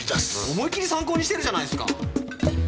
思いっきり参考にしてるじゃないすか！